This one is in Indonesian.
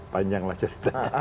panjang lah ceritanya